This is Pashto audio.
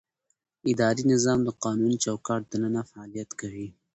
اداري نظام د قانوني چوکاټ دننه فعالیت کوي.